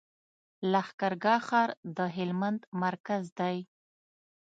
لښکر ګاه ښار د هلمند مرکز دی.